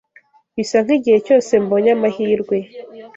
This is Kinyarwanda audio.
Bisa nkigihe cyose mbonye amahirwe